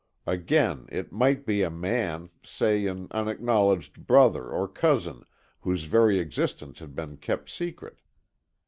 Again, it might be a man, say, an unacknowledged brother or cousin, whose very existence had been kept secret.